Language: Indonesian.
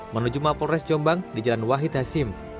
menuju mabuk jombang dan jombang